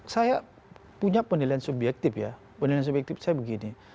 saya punya penilaian subjektif ya penilaian subjektif saya begini